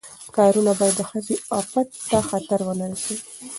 کارونه باید د ښځې عفت ته خطر ونه رسوي.